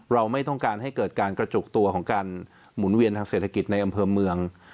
เราไม่ต้องการให้เกิดการกระจุกตัวของการหมุนเวียนทางเศรษฐกิจในอำเภอเมือง